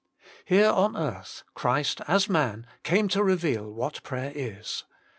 Here on earth Christ as man came to reveal what prayer is.